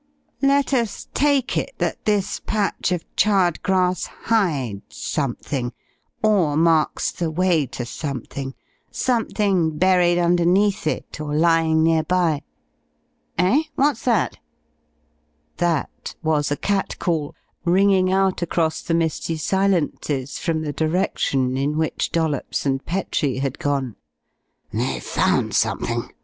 "Let us take it that this patch of charred grass hides something, or marks the way to something, something buried underneath it, or lying near by. Eh what's that?" "That" was a cat call ringing out across the misty silences from the direction in which Dollops and Petrie had gone. "They've found something!"